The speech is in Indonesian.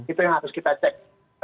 itu yang harus kita cek